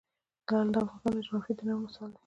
لعل د افغانستان د جغرافیوي تنوع مثال دی.